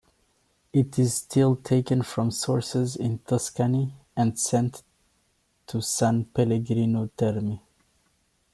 It is still taken from sources in Tuscany and sent to San Pellegrino Terme.